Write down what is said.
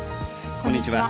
こんにちは。